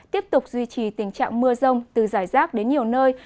tiếp tục duy trì tình trạng mưa rông từ giải rác đến nhiều nơi